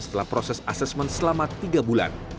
setelah proses asesmen selama tiga bulan